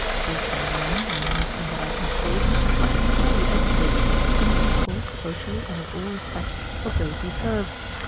This young man, I knew from what I had been told, must be highly educated, and the equal, socially and in all respects, of those he served.